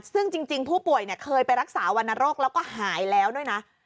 ซึ่งจริงผู้ป่วยเคยไปรักษาวรรณโรคแล้วก็หายแล้วด้วยนะ